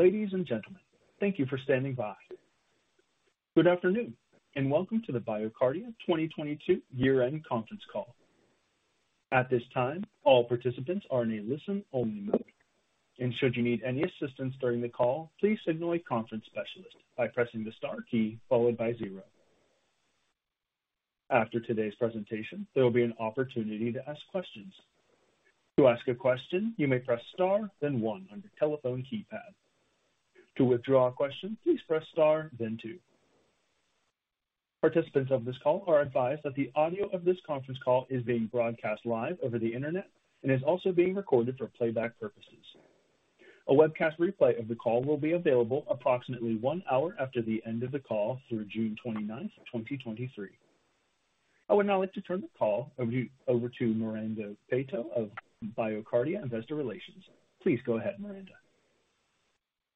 Ladies and gentlemen, thank you for standing by. Good afternoon, and welcome to the BioCardia 2022 year-end conference call. At this time, all participants are in a listen-only mode. Should you need any assistance during the call, please signal a conference specialist by pressing the star key followed by 0. After today's presentation, there will be an opportunity to ask questions. To ask a question, you may press star then one on your telephone keypad. To withdraw a question, please press star then two. Participants of this call are advised that the audio of this conference call is being broadcast live over the Internet and is also being recorded for playback purposes. A webcast replay of the call will be available approximately one hour after the end of the call through June 29th, 2023. I would now like to turn the call over to Miranda Peto of BioCardia Investor Relations. Please go ahead, Miranda.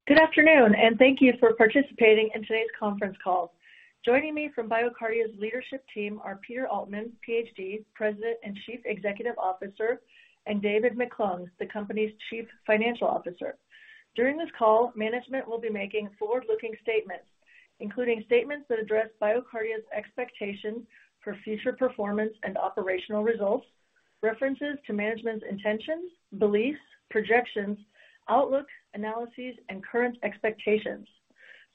Good afternoon, thank you for participating in today's conference call. Joining me from BioCardia's leadership team are Peter Altman, PhD, President and Chief Executive Officer, and David McClung, the company's Chief Financial Officer. During this call, management will be making forward-looking statements, including statements that address BioCardia's expectations for future performance and operational results, references to management's intentions, beliefs, projections, outlook, analyses, and current expectations.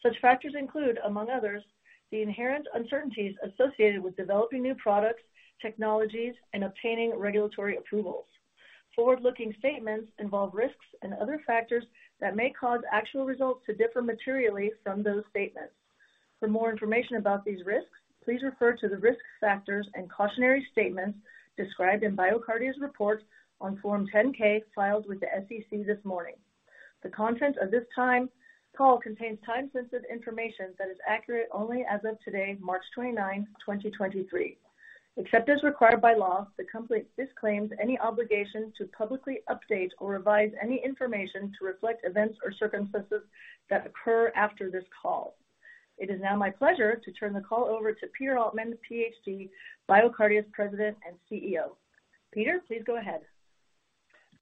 Such factors include, among others, the inherent uncertainties associated with developing new products, technologies, and obtaining regulatory approvals. Forward-looking statements involve risks and other factors that may cause actual results to differ materially from those statements. For more information about these risks, please refer to the risk factors and cautionary statements described in BioCardia's report on Form 10-K filed with the SEC this morning. The content of this call contains time-sensitive information that is accurate only as of today, March 29, 2023. Except as required by law, the company disclaims any obligation to publicly update or revise any information to reflect events or circumstances that occur after this call. It is now my pleasure to turn the call over to Peter Altman, PhD, BioCardia's President and CEO. Peter, please go ahead.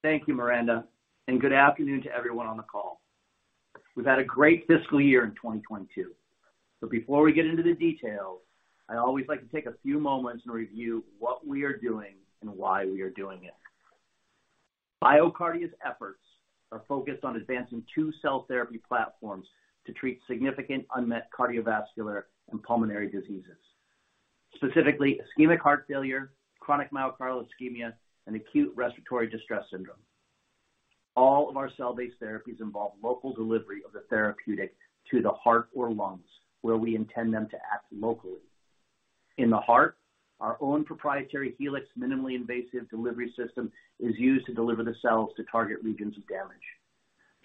Thank you, Miranda, and good afternoon to everyone on the call. We've had a great fiscal year in 2022. Before we get into the details, I always like to take a few moments and review what we are doing and why we are doing it. BioCardia's efforts are focused on advancing two cell therapy platforms to treat significant unmet cardiovascular and pulmonary diseases, specifically ischemic heart failure, chronic myocardial ischemia, and acute respiratory distress syndrome. All of our cell-based therapies involve local delivery of the therapeutic to the heart or lungs, where we intend them to act locally. In the heart, our own proprietary Helix minimally invasive delivery system is used to deliver the cells to target regions of damage.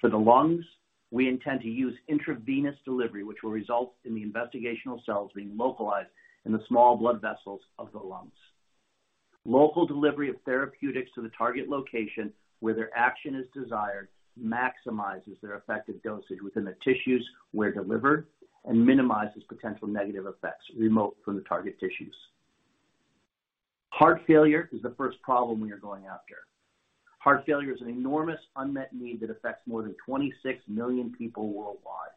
For the lungs, we intend to use intravenous delivery, which will result in the investigational cells being localized in the small blood vessels of the lungs. Local delivery of therapeutics to the target location where their action is desired maximizes their effective dosage within the tissues where delivered and minimizes potential negative effects remote from the target tissues. Heart failure is the first problem we are going after. Heart failure is an enormous unmet need that affects more than 26 million people worldwide.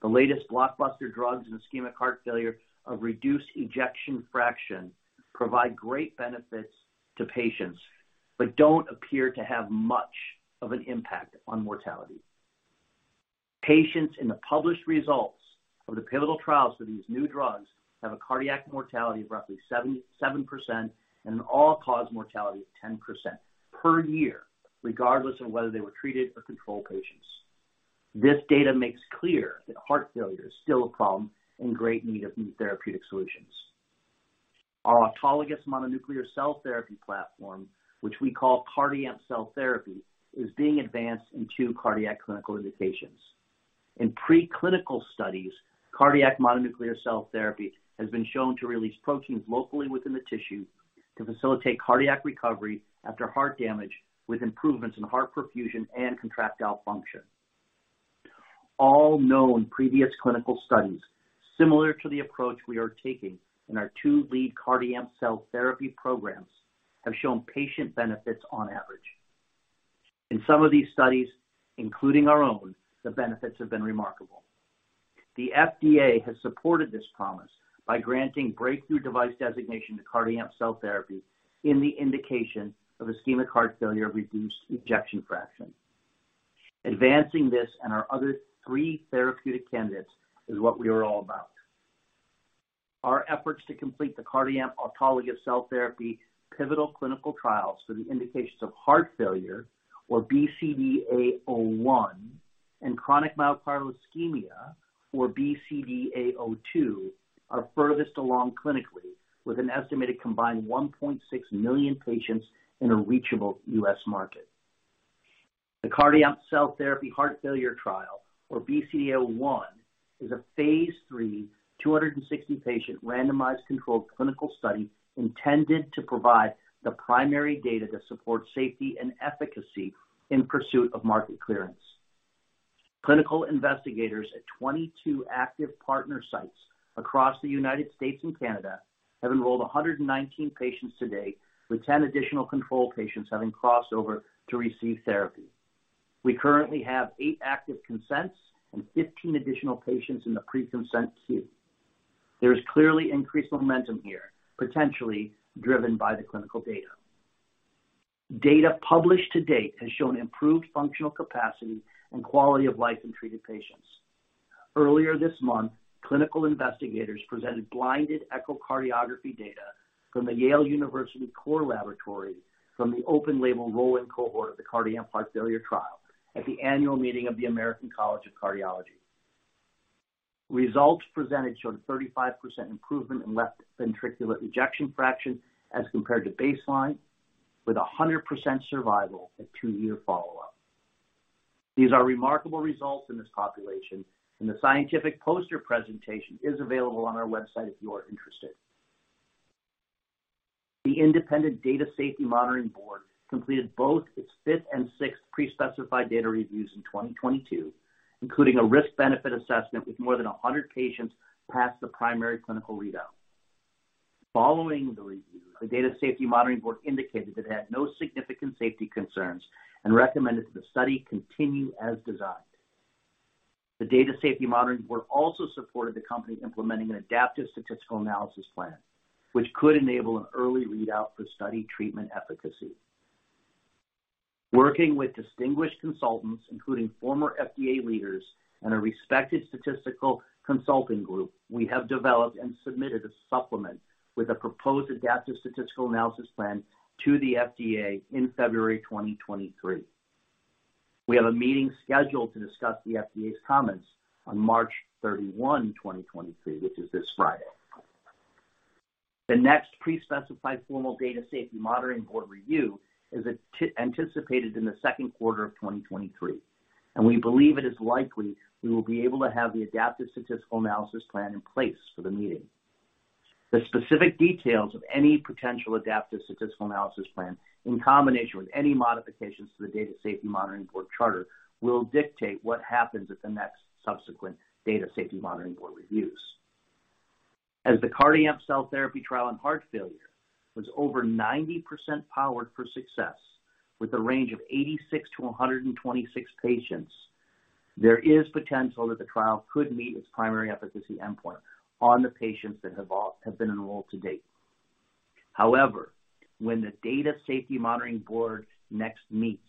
The latest blockbuster drugs in ischemic heart failure of reduced ejection fraction provide great benefits to patients don't appear to have much of an impact on mortality. Patients in the published results of the pivotal trials for these new drugs have a cardiac mortality of roughly 7% and an all-cause mortality of 10% per year, regardless of whether they were treated or control patients. This data makes clear that heart failure is still a problem in great need of new therapeutic solutions. Our autologous mononuclear cell therapy platform, which we call CardiAMP cell therapy, is being advanced in two cardiac clinical indications. In preclinical studies, cardiac mononuclear cell therapy has been shown to release proteins locally within the tissue to facilitate cardiac recovery after heart damage, with improvements in heart perfusion and contractile function. All known previous clinical studies, similar to the approach we are taking in our two lead CardiAMP cell therapy programs, have shown patient benefits on average. In some of these studies, including our own, the benefits have been remarkable. The FDA has supported this promise by granting Breakthrough Device designation to CardiAMP cell therapy in the indication of ischemic heart failure reduced ejection fraction. Advancing this and our other three therapeutic candidates is what we are all about. Our efforts to complete the CardiAMP autologous cell therapy pivotal clinical trials for the indications of heart failure, or BCDA-01, and chronic myocardial ischemia, or BCDA-02, are furthest along clinically, with an estimated combined 1.6 million patients in a reachable U.S. market. The CardiAMP cell therapy heart failure trial, or BCDA-01, is a phase III, 260 patient randomized controlled clinical study intended to provide the primary data to support safety and efficacy in pursuit of market clearance. Clinical investigators at 22 active partner sites across the U.S. and Canada have enrolled 119 patients to date, with 10 additional control patients having crossed over to receive therapy. We currently have eight active consents and 15 additional patients in the pre-consent queue. There is clearly increased momentum here, potentially driven by the clinical data. Data published to date has shown improved functional capacity and quality of life in treated patients. Earlier this month, clinical investigators presented blinded echocardiography data from the Yale University Core Laboratory from the open-label rolling cohort of the CardiAMP heart failure trial at the annual meeting of the American College of Cardiology. Results presented showed a 35% improvement in left ventricular ejection fraction as compared to baseline, with a 100% survival at two-year follow-up. These are remarkable results in this population. The scientific poster presentation is available on our website if you are interested. The independent Data Safety Monitoring Board completed both its fifth and sixth pre-specified data reviews in 2022, including a risk-benefit assessment with more than 100 patients past the primary clinical readout. Following the review, the Data Safety Monitoring Board indicated it had no significant safety concerns and recommended that the study continue as designed. The Data Safety Monitoring Board also supported the company implementing an adaptive statistical analysis plan, which could enable an early readout for study treatment efficacy. Working with distinguished consultants, including former FDA leaders and a respected statistical consulting group, we have developed and submitted a supplement with a proposed adaptive statistical analysis plan to the FDA in February 2023. We have a meeting scheduled to discuss the FDA's comments on March 31, 2023, which is this Friday. The next pre-specified formal Data Safety Monitoring Board review is anticipated in the second quarter of 2023, and we believe it is likely we will be able to have the adaptive statistical analysis plan in place for the meeting. The specific details of any potential adaptive statistical analysis plan, in combination with any modifications to the Data Safety Monitoring Board charter, will dictate what happens at the next subsequent Data Safety Monitoring Board reviews. The CardiAMP cell therapy trial in heart failure was over 90% powered for success with a range of 86 to 126 patients, there is potential that the trial could meet its primary efficacy endpoint on the patients that have been enrolled to date. When the Data Safety Monitoring Board next meets,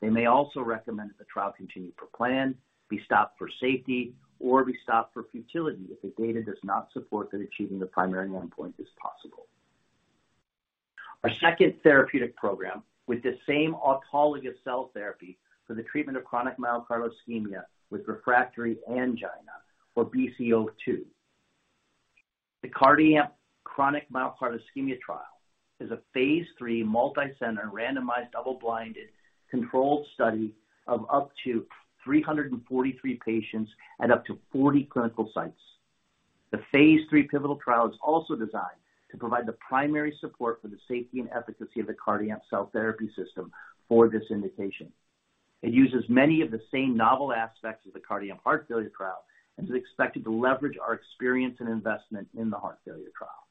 they may also recommend that the trial continue per plan, be stopped for safety, or be stopped for futility if the data does not support that achieving the primary endpoint is possible. Our second therapeutic program with the same autologous cell therapy for the treatment of chronic myocardial ischemia with refractory angina for BCDA-02. The CardiAMP chronic myocardial ischemia trial is a phase III multi-center randomized double-blinded controlled study of up to 343 patients at up to 40 clinical sites. The phase III pivotal trial is also designed to provide the primary support for the safety and efficacy of the CardiAMP cell therapy system for this indication. It uses many of the same novel aspects as the CardiAMP heart failure trial and is expected to leverage our experience and investment in the heart failure trial.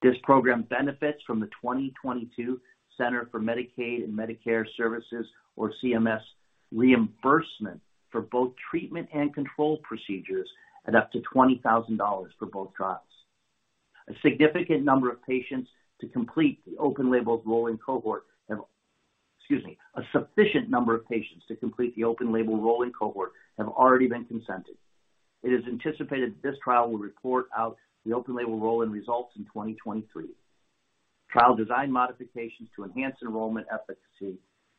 This program benefits from the 2022 Centers for Medicare & Medicaid Services, or CMS, reimbursement for both treatment and control procedures at up to $20,000 for both trials. Excuse me. A sufficient number of patients to complete the open label rolling cohort have already been consented. It is anticipated that this trial will report out the open label rolling results in 2023. Trial design modifications to enhance enrollment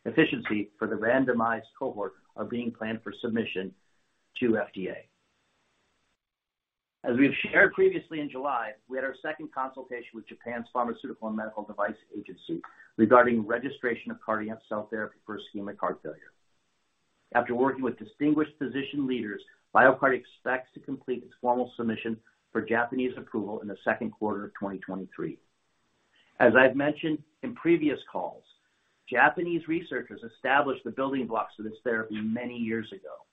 efficiency for the randomized cohort are being planned for submission to FDA. As we've shared previously in July, we had our second consultation with Japan's Pharmaceutical and Medical Device Agency regarding registration of CardiAMP cell therapy for ischemic heart failure. After working with distinguished physician leaders, BioCard expects to complete its formal submission for Japanese approval in the second quarter of 2023. As I've mentioned in previous calls, Japanese researchers established the building blocks of this therapy many years ago.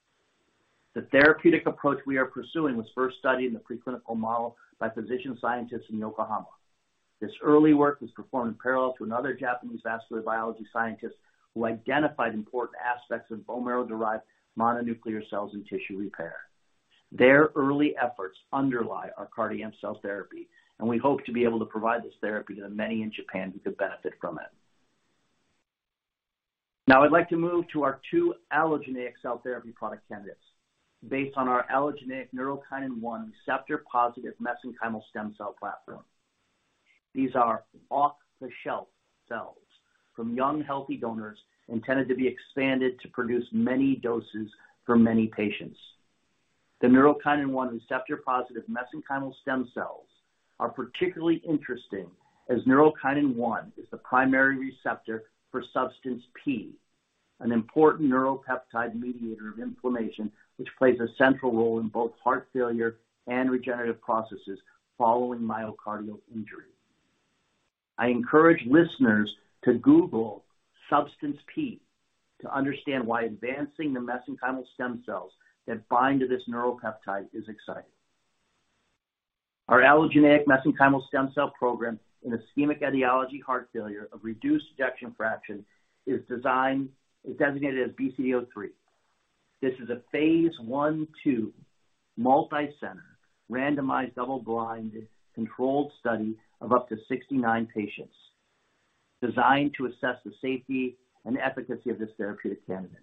The therapeutic approach we are pursuing was first studied in the preclinical model by physician scientists in Yokohama. This early work was performed in parallel to another Japanese vascular biology scientist who identified important aspects of bone marrow-derived mononuclear cells and tissue repair. Their early efforts underlie our CardiAMP cell therapy, and we hope to be able to provide this therapy to the many in Japan who could benefit from it. I'd like to move to our two allogeneic cell therapy product candidates based on our allogeneic Neurokinin-1 receptor-positive mesenchymal stem cell platform. These are off-the-shelf cells from young, healthy donors intended to be expanded to produce many doses for many patients. The Neurokinin-1 receptor-positive mesenchymal stem cells are particularly interesting as Neurokinin-1 is the primary receptor for Substance P, an important neuropeptide mediator of inflammation, which plays a central role in both heart failure and regenerative processes following myocardial injury. I encourage listeners to google Substance P to understand why advancing the mesenchymal stem cells that bind to this neuropeptide is exciting. Our allogeneic mesenchymal stem cell program in ischemic etiology heart failure of reduced ejection fraction is designated as BCDA-03. This is a phase I, II multicenter randomized double-blind controlled study of up to 69 patients designed to assess the safety and efficacy of this therapeutic candidate.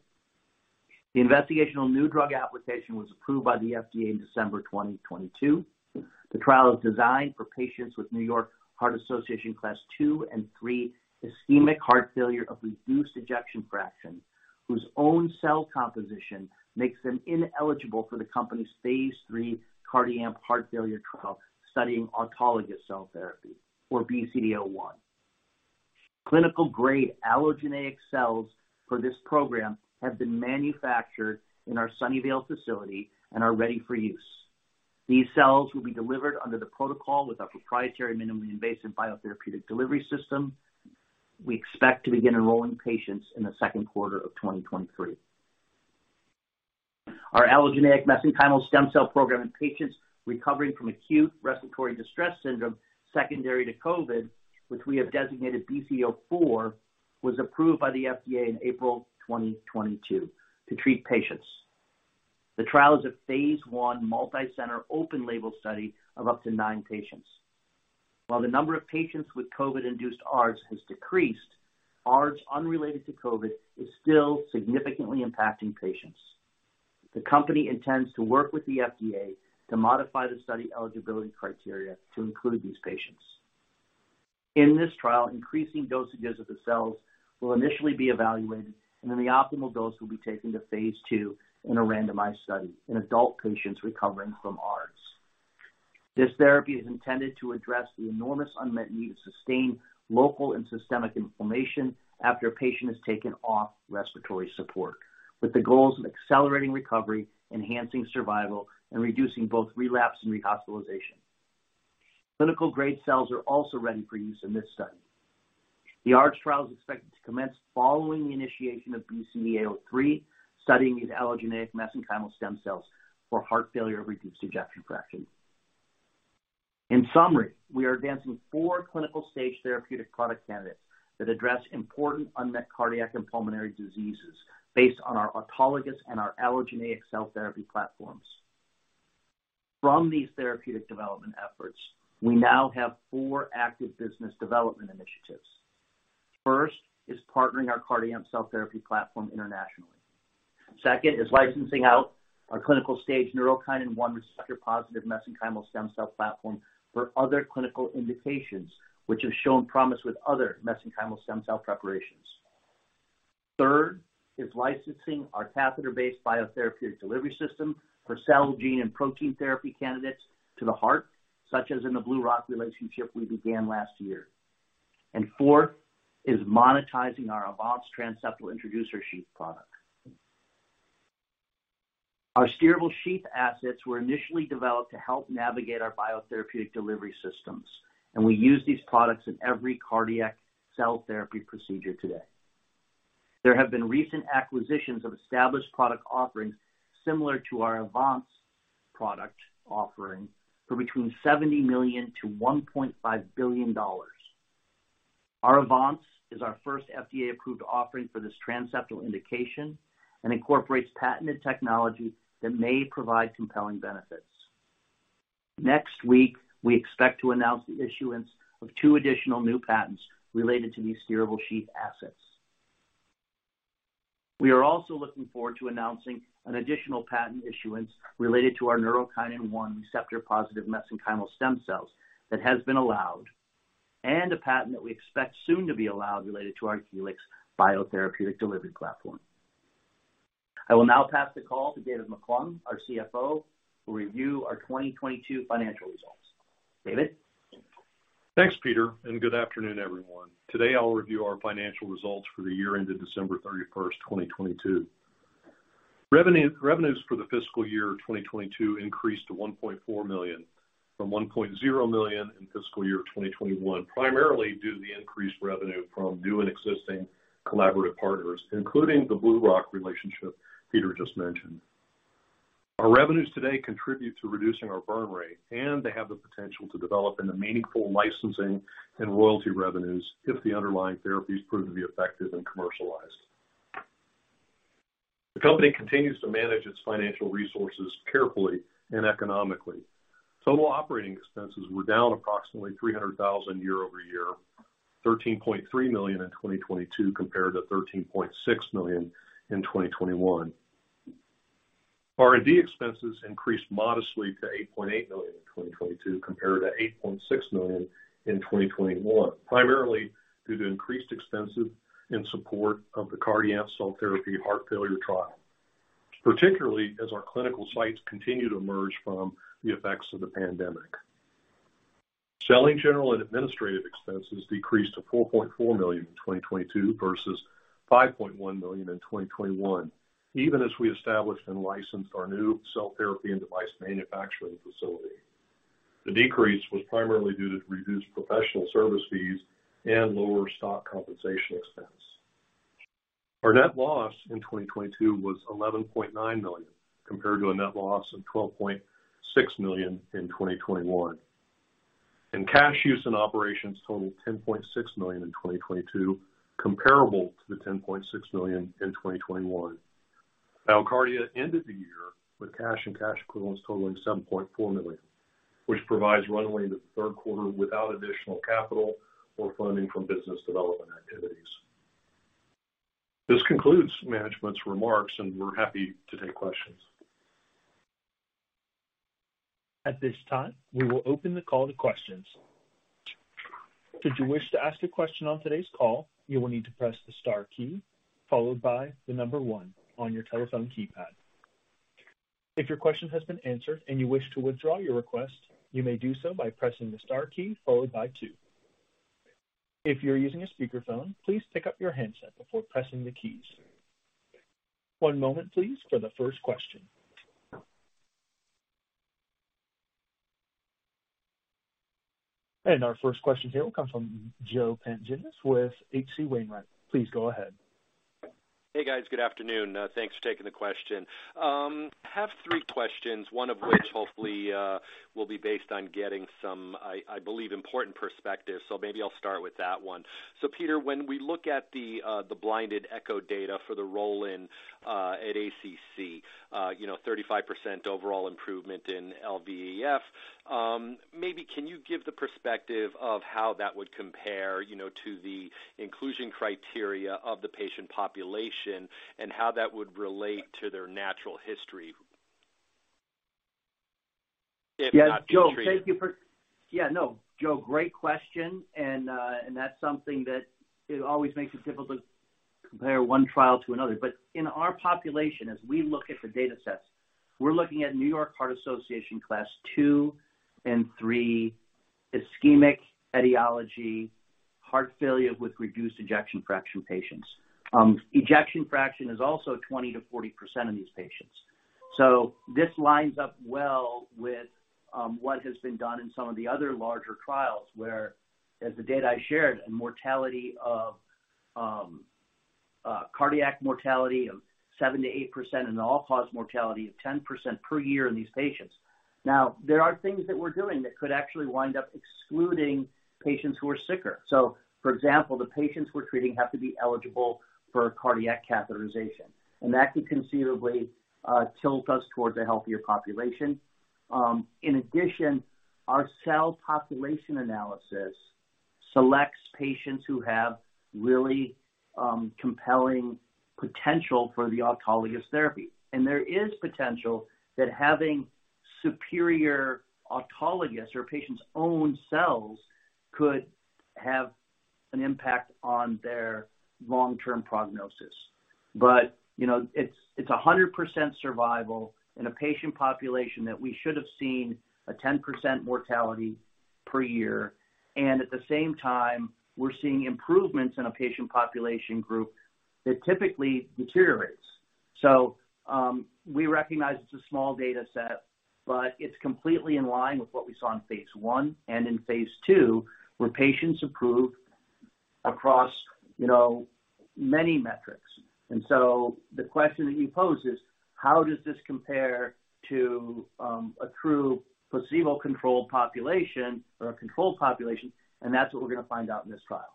The Investigational New Drug application was approved by the FDA in December 2022. The trial is designed for patients with New York Heart Association Class two and three ischemic heart failure of reduced ejection fraction, whose own cell composition makes them ineligible for the company's phase III CardiAMP heart failure trial studying autologous cell therapy or BCDA-01. Clinical-grade allogeneic cells for this program have been manufactured in our Sunnyvale facility and are ready for use. These cells will be delivered under the protocol with our proprietary minimum invasive biotherapeutic delivery system. We expect to begin enrolling patients in the second quarter of 2023. Our allogeneic mesenchymal stem cell program in patients recovering from acute respiratory distress syndrome secondary to COVID, which we have designated BCDA-04, was approved by the FDA in April 2022 to treat patients. The trial is a phase I multicenter open label study of up to nine patients. While the number of patients with COVID-induced ARDS has decreased, ARDS unrelated to COVID is still significantly impacting patients. The company intends to work with the FDA to modify the study eligibility criteria to include these patients. In this trial, increasing dosages of the cells will initially be evaluated, and then the optimal dose will be taken to phase II in a randomized study in adult patients recovering from ARDS. This therapy is intended to address the enormous unmet need to sustain local and systemic inflammation after a patient is taken off respiratory support, with the goals of accelerating recovery, enhancing survival, and reducing both relapse and rehospitalization. Clinical-grade cells are also ready for use in this study. The ARDS trial is expected to commence following the initiation of BCDA-03, studying these allogeneic mesenchymal stem cells for heart failure of reduced ejection fraction. In summary, we are advancing four clinical-stage therapeutic product candidates that address important unmet cardiac and pulmonary diseases based on our autologous and our allogeneic cell therapy platforms. From these therapeutic development efforts, we now have four active business development initiatives. First is partnering our CardiAMP cell therapy platform internationally. Second is licensing out our clinical-stage Neurokinin-1 receptor-positive mesenchymal stem cell platform for other clinical indications, which have shown promise with other mesenchymal stem cell preparations. Third is licensing our catheter-based biotherapeutic delivery system for cell, gene, and protein therapy candidates to the heart, such as in the BlueRock relationship we began last year. Fourth is monetizing our Avance transseptal introducer sheath product. Our steerable sheath assets were initially developed to help navigate our biotherapeutic delivery systems, and we use these products in every cardiac cell therapy procedure today. There have been recent acquisitions of established product offerings similar to our Avance product offering for between $70 million-$1.5 billion. Our Avance is our first FDA-approved offering for this transseptal indication and incorporates patented technology that may provide compelling benefits. Next week, we expect to announce the issuance of two additional new patents related to these steerable sheath assets. We are also looking forward to announcing an additional patent issuance related to our Neurokinin-1 receptor-positive mesenchymal stem cells that has been allowed, and a patent that we expect soon to be allowed related to our Helix biotherapeutic delivery platform. I will now pass the call to David McClung, our CFO, who will review our 2022 financial results. David? Thanks, Peter. Good afternoon, everyone. Today, I will review our financial results for the year ended December 31st, 2022. Revenues for the fiscal year 2022 increased to $1.4 million from $1.0 million in fiscal year 2021, primarily due to the increased revenue from new and existing collaborative partners, including the BlueRock Therapeutics relationship Peter just mentioned. Our revenues today contribute to reducing our burn rate. They have the potential to develop into meaningful licensing and royalty revenues if the underlying therapies prove to be effective and commercialized. The company continues to manage its financial resources carefully and economically. Total operating expenses were down approximately $300,000 year-over-year, $13.3 million in 2022 compared to $13.6 million in 2021. R&D expenses increased modestly to $8.8 million in 2022 compared to $8.6 million in 2021, primarily due to increased expenses in support of the CardiAMP cell therapy heart failure trial, particularly as our clinical sites continue to emerge from the effects of the pandemic. Selling, general, and administrative expenses decreased to $4.4 million in 2022 versus $5.1 million in 2021, even as we established and licensed our new cell therapy and device manufacturing facility. The decrease was primarily due to reduced professional service fees and lower stock compensation expense. Our net loss in 2022 was $11.9 million, compared to a net loss of $12.6 million in 2021. Cash use in operations totaled $10.6 million in 2022, comparable to the $10.6 million in 2021. Cardia ended the year with cash and cash equivalents totaling $7.4 million, which provides runway into the third quarter without additional capital or funding from business development activities. This concludes management's remarks, we're happy to take questions. At this time, we will open the call to questions. Should you wish to ask a question on today's call, you will need to press the star key followed by one on your telephone keypad. If your question has been answered and you wish to withdraw your request, you may do so by pressing the star key followed by two. If you're using a speakerphone, please pick up your handset before pressing the keys. One moment please for the first question. Our first question today will come from Joseph Pantginis with H.C. Wainwright. Please go ahead. Hey, guys. Good afternoon. Thanks for taking the question. Have three questions, one of which hopefully will be based on getting some, I believe, important perspective. Maybe I'll start with that one. Peter, when we look at the blinded echo data for the roll-in at ACC, you know, 35% overall improvement in LVEF, maybe can you give the perspective of how that would compare, you know, to the inclusion criteria of the patient population and how that would relate to their natural history? If not. Yeah. No, Joe, great question. That's something that it always makes it difficult to compare one trial to another. In our population, as we look at the data sets, we're looking at New York Heart Association Class two and three ischemic etiology heart failure with reduced ejection fraction patients. Ejection fraction is also 20%-40% in these patients. This lines up well with what has been done in some of the other larger trials, where, as the data I shared, a mortality of cardiac mortality of 7%-8% and all-cause mortality of 10% per year in these patients. Now, there are things that we're doing that could actually wind up excluding patients who are sicker. For example, the patients we're treating have to be eligible for cardiac catheterization, and that could considerably tilt us towards a healthier population. In addition, our cell population analysis selects patients who have really compelling potential for the autologous therapy. There is potential that having superior autologous or patient's own cells could have an impact on their long-term prognosis. You know, it's 100% survival in a patient population that we should have seen a 10% mortality per year. At the same time, we're seeing improvements in a patient population group that typically deteriorates. We recognize it's a small data set, but it's completely in line with what we saw in phase I and in phase II, where patients improved across, you know, many metrics. The question that you pose is how does this compare to a true placebo-controlled population or a controlled population? That's what we're gonna find out in this trial.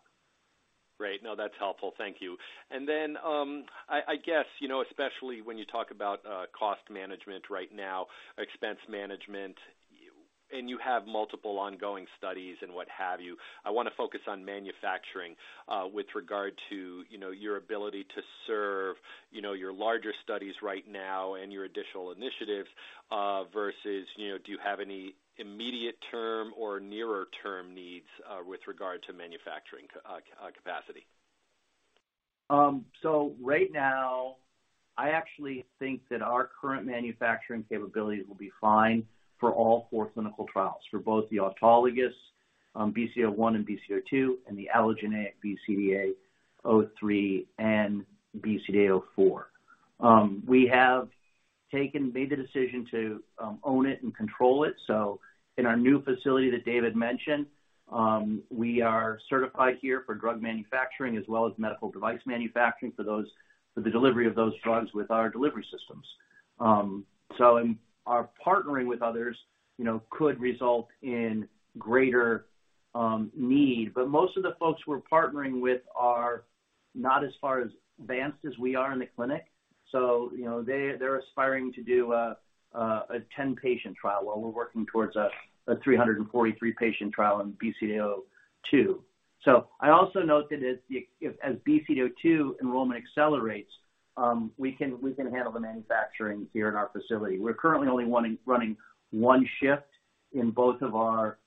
Great. No, that's helpful. Thank you. I guess, you know, especially when you talk about cost management right now, expense management, and you have multiple ongoing studies and what have you, I want to focus on manufacturing with regard to, you know, your ability to serve, you know, your larger studies right now and your additional initiatives versus you know, do you have any immediate term or nearer term needs with regard to manufacturing capacity? Right now, I actually think that our current manufacturing capabilities will be fine for all four clinical trials, for both the autologous BCDA-01 and BCDA-02, and the allogeneic BCDA-03 and BCDA-04. We have made the decision to own it and control it. In our new facility that David mentioned, we are certified here for drug manufacturing as well as medical device manufacturing for the delivery of those drugs with our delivery systems. In our partnering with others, you know, could result in greater need. Most of the folks we're partnering with are not as far as advanced as we are in the clinic. You know, they're aspiring to do a 10-patient trial while we're working towards a 343-patient trial in BCDA-02. I also note that as BCDA-02 enrollment accelerates, we can handle the manufacturing here in our facility. We're currently only running one shift in both of our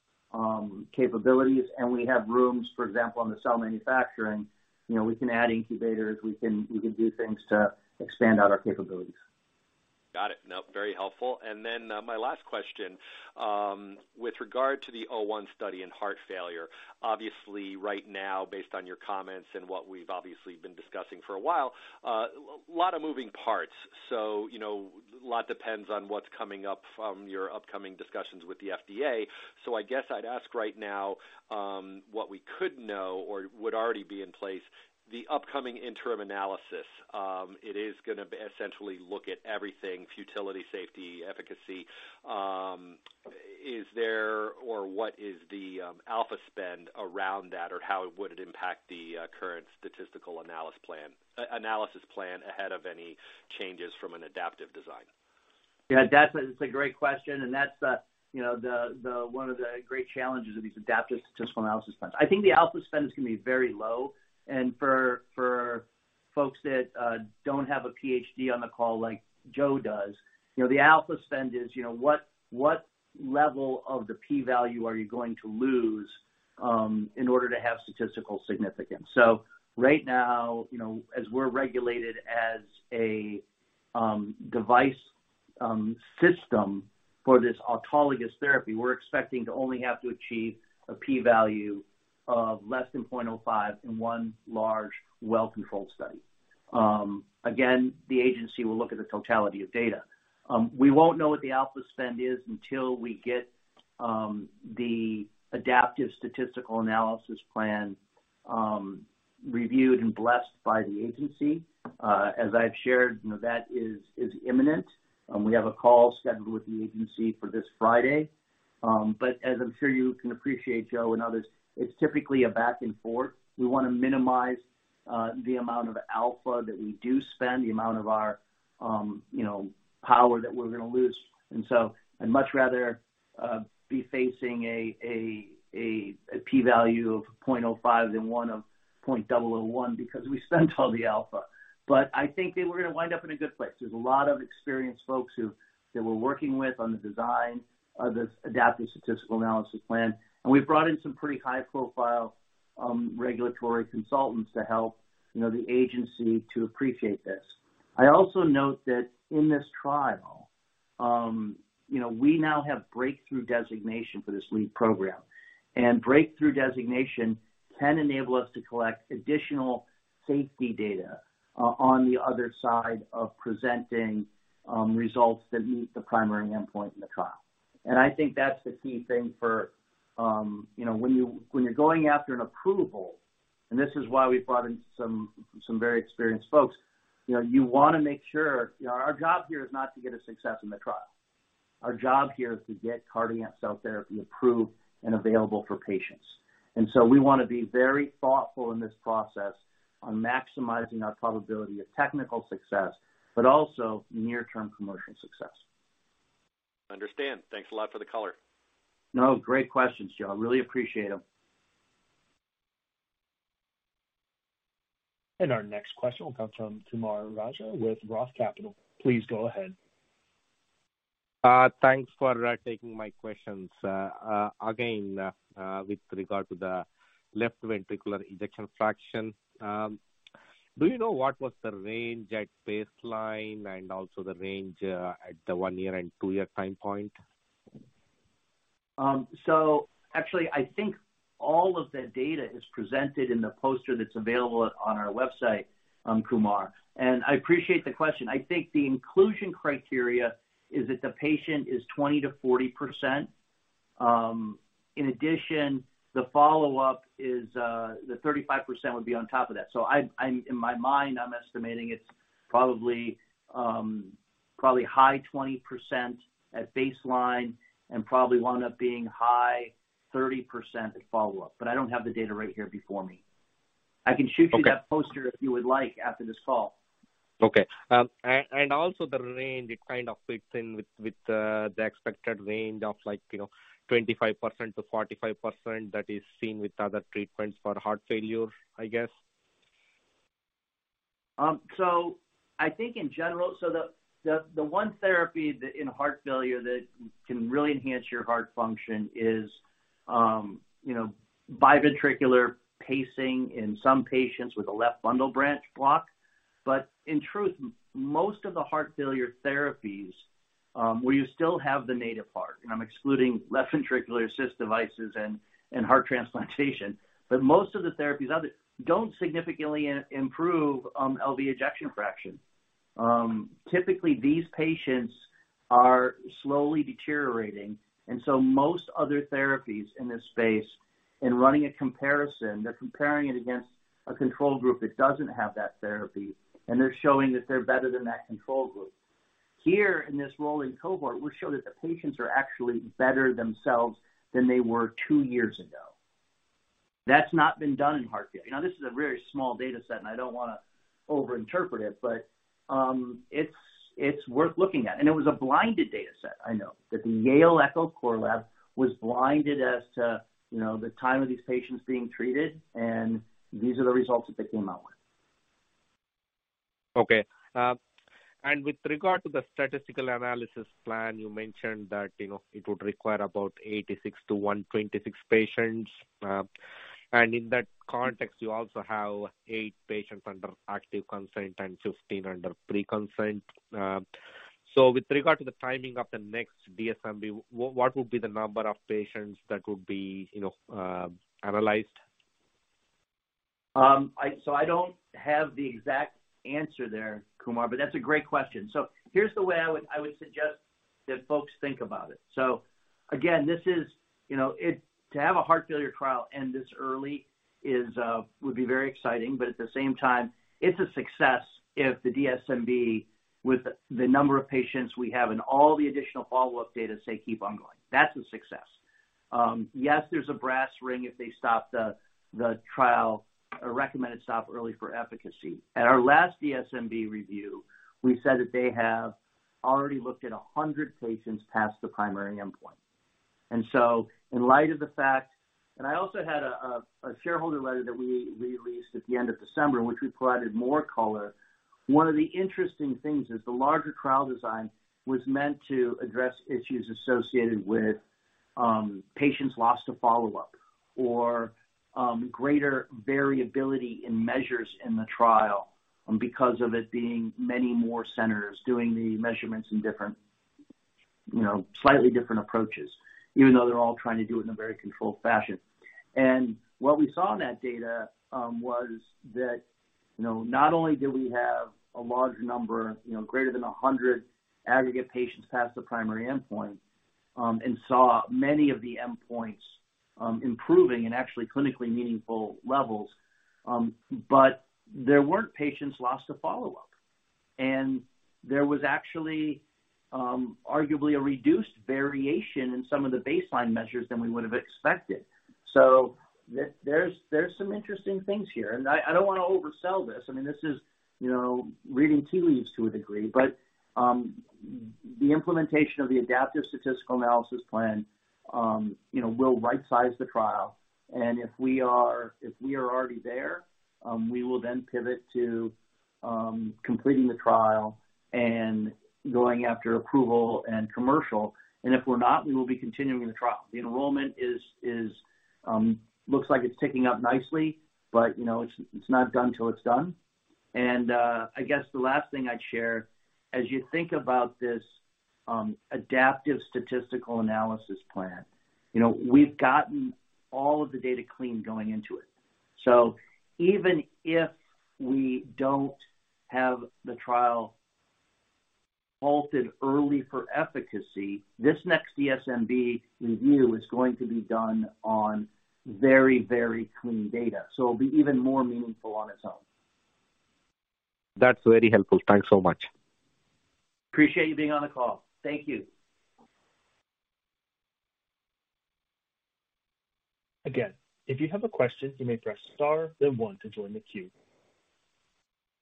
capabilities, and we have rooms, for example, on the cell manufacturing. You know, we can add incubators. We can do things to expand out our capabilities. Got it. No, very helpful. My last question. With regard to the 01 study in heart failure, obviously right now, based on your comments and what we've obviously been discussing for a while, lot of moving parts. You know, a lot depends on what's coming up from your upcoming discussions with the FDA. I guess I'd ask right now, what we could know or would already be in place, the upcoming interim analysis, it is gonna essentially look at everything, futility, safety, efficacy. Is there or what is the alpha spending around that, or how would it impact the current statistical analysis plan, analysis plan ahead of any changes from an adaptive design? Yeah, that's a, it's a great question, and that's the, you know, the one of the great challenges of these adaptive statistical analysis plans. I think the alpha spending is gonna be very low. For folks that don't have a PhD on the call like Joe does, you know, the alpha spending is, you know, what level of the P value are you going to lose in order to have statistical significance? Right now, you know, as we're regulated as a device system for this autologous therapy, we're expecting to only have to achieve a P value of less than 0.05 in 1 large, well-controlled study. Again, the agency will look at the totality of data. We won't know what the alpha spending is until we get the adaptive statistical analysis plan reviewed and blessed by the agency. As I've shared, that is imminent. We have a call scheduled with the agency for this Friday. As I'm sure you can appreciate, Joe and others, it's typically a back and forth. We wanna minimize the amount of alpha that we do spend, the amount of our power that we're gonna lose. I'd much rather be facing a p-value of 0.05 than one of 0.001 because we spent all the alpha. I think that we're gonna wind up in a good place. There's a lot of experienced folks who, that we're working with on the design of this adaptive statistical analysis plan, and we've brought in some pretty high-profile regulatory consultants to help, you know, the agency to appreciate this. I also note that in this trial, you know, we now have Breakthrough designation for this lead program. Breakthrough designation can enable us to collect additional safety data on the other side of presenting results that meet the primary endpoint in the trial. I think that's the key thing for, you know, when you, when you're going after an approval, and this is why we brought in some very experienced folks, you know, you wanna make sure. You know, our job here is not to get a success in the trial. Our job here is to get Cardiac Cell Therapy approved and available for patients. We wanna be very thoughtful in this process on maximizing our probability of technical success, but also near-term commercial success. Understand. Thanks a lot for the color. No, great questions, Joe. I really appreciate them. Our next question will come from Kumar Raja with Roth Capital. Please go ahead. Thanks for taking my questions. Again, with regard to the left ventricular ejection fraction, do you know what was the range at baseline and also the range at the one-year and two-year time point? Actually, I think all of that data is presented in the poster that's available on our website, Kumar. I appreciate the question. I think the inclusion criteria is that the patient is 20%-40%. In addition, the follow-up is, the 35% would be on top of that. I'm in my mind, I'm estimating it's probably high 20% at baseline and probably wound up being high 30% at follow-up. I don't have the data right here before me. I can shoot you. Okay. that poster if you would like after this call. Okay. Also the range, it kind of fits in with the expected range of like, you know, 25%-45% that is seen with other treatments for heart failure, I guess. I think in general the one therapy that in heart failure that can really enhance your heart function is, you know, biventricular pacing in some patients with a left bundle branch block. In truth, most of the heart failure therapies, where you still have the native heart, and I'm excluding left ventricular assist devices and heart transplantation, most of the therapies out there don't significantly improve LV ejection fraction. Typically, these patients are slowly deteriorating. Most other therapies in this space, in running a comparison, they're comparing it against a control group that doesn't have that therapy, and they're showing that they're better than that control group. Here in this rolling cohort, we'll show that the patients are actually better themselves than they were two years ago. That's not been done in heart failure. This is a very small data set, and I don't wanna overinterpret it, but it's worth looking at. It was a blinded data set, I know. The Yale Echo Corelab was blinded as to, you know, the time of these patients being treated, and these are the results that they came out with. With regard to the statistical analysis plan, you mentioned that, you know, it would require about 86-126 patients. In that context, you also have 8 patients under active consent and 15 under pre-consent. With regard to the timing of the next DSMB, what would be the number of patients that would be, you know, analyzed? I don't have the exact answer there, Kumar, but that's a great question. Here's the way I would suggest that folks think about it. Again, this is, you know, to have a heart failure trial end this early is very exciting, but at the same time, it's a success if the DSMB, with the number of patients we have and all the additional follow-up data, say, "Keep on going." That's a success. Yes, there's a brass ring if they stop the trial or recommend it stop early for efficacy. At our last DSMB review, we said that they have already looked at 100 patients past the primary endpoint. In light of the fact. I also had a shareholder letter that we released at the end of December, in which we provided more color. One of the interesting things is the larger trial design was meant to address issues associated with patients lost to follow-up or greater variability in measures in the trial because of it being many more centers doing the measurements in different, you know, slightly different approaches, even though they're all trying to do it in a very controlled fashion. What we saw in that data, you know, not only did we have a large number, you know, greater than 100 aggregate patients past the primary endpoint and saw many of the endpoints improving in actually clinically meaningful levels, but there weren't patients lost to follow-up. There was actually, arguably a reduced variation in some of the baseline measures than we would have expected. There, there's some interesting things here, and I don't wanna oversell this. I mean, this is, you know, reading tea leaves to a degree. The implementation of the adaptive statistical analysis plan, you know, will rightsize the trial. If we are already there, we will then pivot to completing the trial and going after approval and commercial. If we're not, we will be continuing the trial. The enrollment is, looks like it's ticking up nicely, but, you know, it's not done till it's done. I guess the last thing I'd share, as you think about this adaptive statistical analysis plan, you know, we've gotten all of the data clean going into it. Even if we don't have the trial halted early for efficacy, this next DSMB review is going to be done on very, very clean data, so it'll be even more meaningful on its own. That's very helpful. Thanks so much. Appreciate you being on the call. Thank you. If you have a question, you may press star then one to join the queue.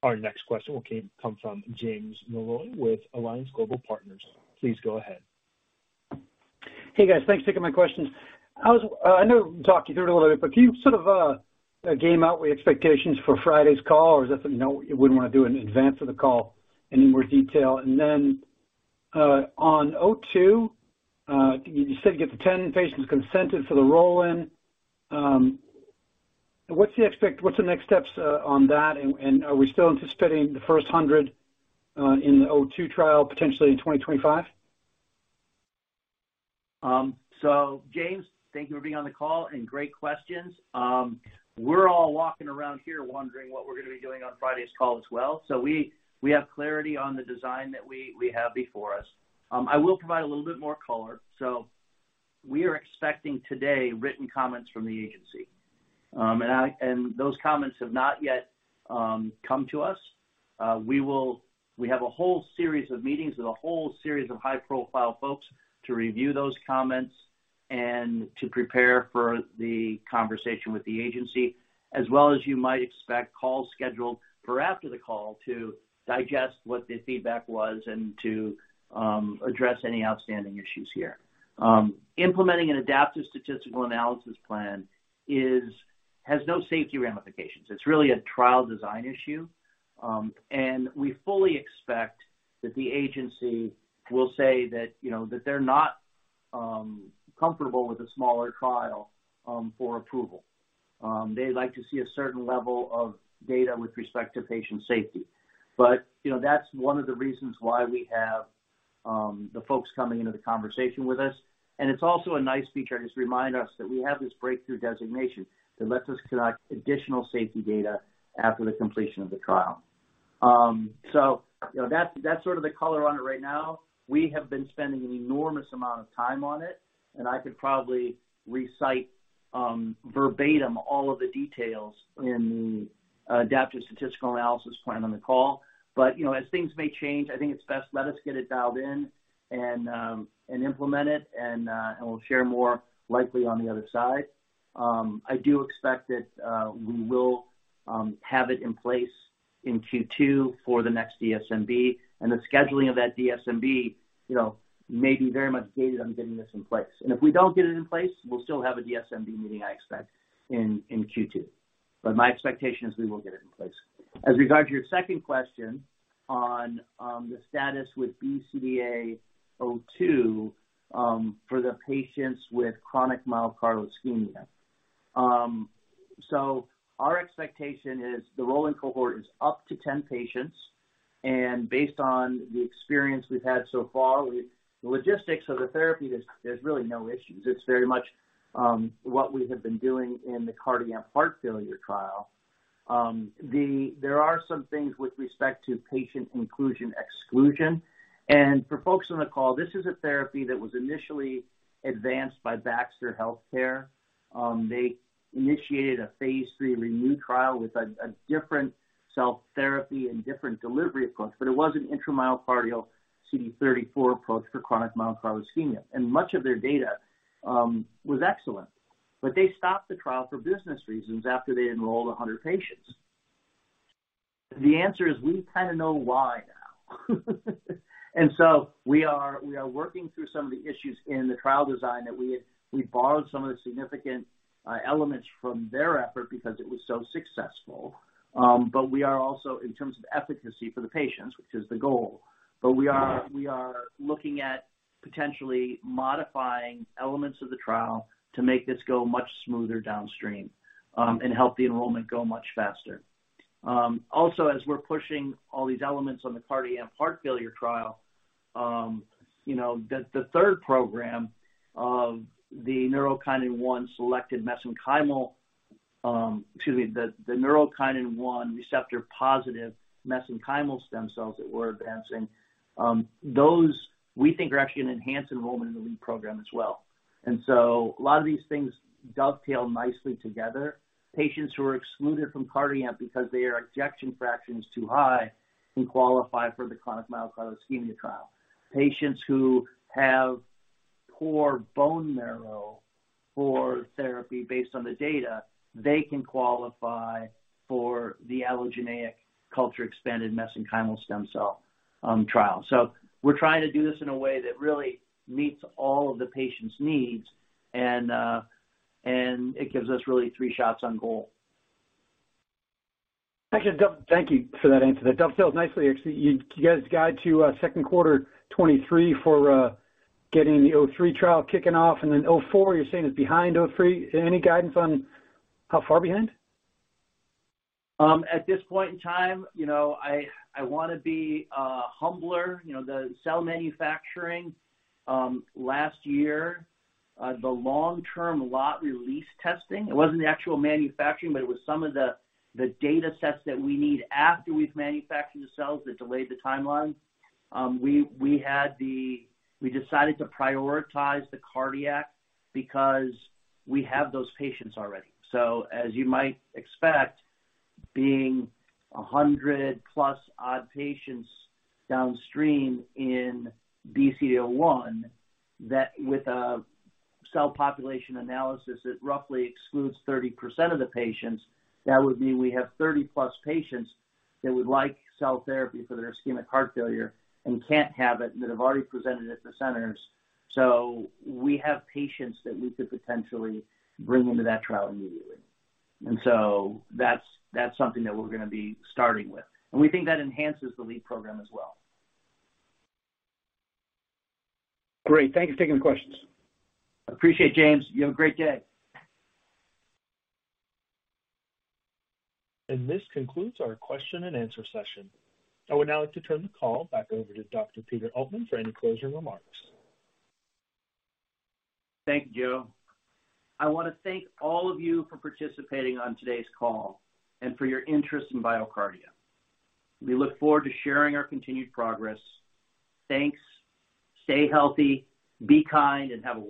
Our next question will come from James Molloy with Alliance Global Partners. Please go ahead. Hey, guys. Thanks for taking my questions. I know we talked through it a little bit, but can you sort of game out your expectations for Friday's call, or is that something you wouldn't wanna do in advance of the call, any more detail? On O2, you said you get the 10 patients consented for the roll-in. What's the next steps on that? Are we still anticipating the first 100 in the O2 trial potentially in 2025? James, thank you for being on the call, and great questions. We're all walking around here wondering what we're gonna be doing on Friday's call as well. We have clarity on the design that we have before us. I will provide a little bit more color. We are expecting today written comments from the agency. Those comments have not yet come to us. We have a whole series of meetings with a whole series of high-profile folks to review those comments and to prepare for the conversation with the agency, as well as you might expect, calls scheduled for after the call to digest what the feedback was and to address any outstanding issues here. Implementing an adaptive statistical analysis plan has no safety ramifications. It's really a trial design issue. We fully expect that the agency will say that, you know, that they're not comfortable with a smaller trial for approval. They like to see a certain level of data with respect to patient safety. You know, that's one of the reasons why we have the folks coming into the conversation with us. It's also a nice feature, just remind us that we have this Breakthrough Device designation that lets us collect additional safety data after the completion of the trial. You know, that's sort of the color on it right now. We have been spending an enormous amount of time on it, and I could probably recite verbatim all of the details in the adaptive statistical analysis plan on the call. You know, as things may change, I think it's best let us get it dialed in and implement it and we'll share more likely on the other side. I do expect that we will have it in place in Q2 for the next DSMB, and the scheduling of that DSMB, you know, may be very much gated on getting this in place. If we don't get it in place, we'll still have a DSMB meeting, I expect, in Q2. My expectation is we will get it in place. As regard to your second question on the status with BCDA-02, for the patients with chronic myocardial ischemia. Our expectation is the roll-in cohort is up to 10 patients. Based on the experience we've had so far, the logistics of the therapy, there's really no issues. It's very much what we have been doing in the CardiAMP heart failure trial. There are some things with respect to patient inclusion, exclusion. For folks on the call, this is a therapy that was initially advanced by Baxter Healthcare. They initiated a phase 3 RENEW trial with a different cell therapy and different delivery approach, but it was an intramyocardial CD34 approach for chronic myocardial ischemia. Much of their data was excellent. They stopped the trial for business reasons after they enrolled 100 patients. The answer is we kinda know why now. We are working through some of the issues in the trial design that we borrowed some of the significant elements from their effort because it was so successful. We are also, in terms of efficacy for the patients, which is the goal, but we are looking at potentially modifying elements of the trial to make this go much smoother downstream and help the enrollment go much faster. Also, as we're pushing all these elements on the CardiAMP heart failure trial, you know, the third program of the Neurokinin-1 selected mesenchymal, excuse me, the Neurokinin-1 receptor-positive mesenchymal stem cells that we're advancing, those we think are actually gonna enhance enrollment in the lead program as well. A lot of these things dovetail nicely together. Patients who are excluded from CardiAMP because their ejection fraction is too high can qualify for the chronic myocardial ischemia trial. Patients who have poor bone marrow for therapy based on the data, they can qualify for the allogeneic culture expanded mesenchymal stem cell trial. We're trying to do this in a way that really meets all of the patients' needs, and it gives us really three shots on goal. Actually, thank you for that answer. That dovetails nicely, actually. You guys guide to 2Q 2023 for getting the OH3 trial kicking off, and then OH4 you're saying is behind OH3. Any guidance on how far behind? At this point in time, you know, I want to be humbler. You know, the cell manufacturing last year, the long-term lot release testing, it wasn't the actual manufacturing, but it was some of the datasets that we need after we've manufactured the cells that delayed the timeline. We decided to prioritize the cardiac because we have those patients already. As you might expect, being 100-plus patients downstream in BCDA-01, that with a cell population analysis, it roughly excludes 30% of the patients. That would mean we have 30-plus patients that would like cell therapy for their ischemic heart failure and can't have it and that have already presented at the centers. We have patients that we could potentially bring into that trial immediately. That's something that we're gonna be starting with. We think that enhances the lead program as well. Great. Thank you for taking the questions. Appreciate it, James. You have a great day. This concludes our question and answer session. I would now like to turn the call back over to Dr. Peter Altman for any closing remarks. Thank you. I wanna thank all of you for participating on today's call and for your interest in BioCardia. We look forward to sharing our continued progress. Thanks. Stay healthy, be kind, and have a wonderful day.